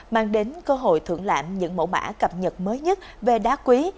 mang đến cơ hội thưởng lãm những mẫu mã cập nhật mới nhất về đá quý